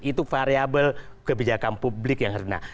itu variabel kebijakan publik yang herna